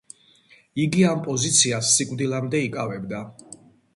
იგი ამ პოზიციას სიკვდილამდე იკავებდა.